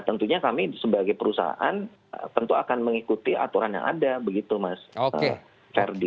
tentunya kami sebagai perusahaan tentu akan mengikuti aturan yang ada begitu mas ferdi